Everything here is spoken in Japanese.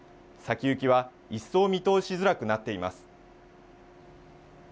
先行きは一層見通しづらくなっています。